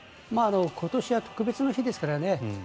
今年は特別な年ですからね。